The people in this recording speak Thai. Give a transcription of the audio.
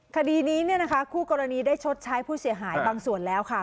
คดีนี้เนี่ยนะคะคู่กรณีได้ชดใช้ผู้เสียหายบางส่วนแล้วค่ะ